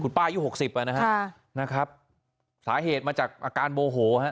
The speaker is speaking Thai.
คุณป้ายูหกสิบอ่ะนะครับค่ะนะครับสาเหตุมาจากอาการโบโหฮะ